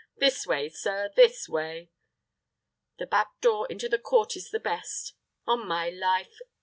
This way, sir this way. The back door into the court is the best. On my life!